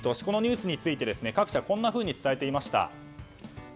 このニュースについて各社、こんなふうに伝えていました。